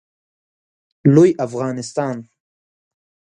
لوی افغانستان